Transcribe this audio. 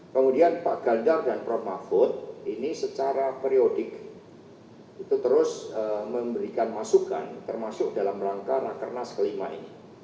kemudian pak ganjar dan prof mahfud ini secara periodik itu terus memberikan masukan termasuk dalam rangka rakernas kelima ini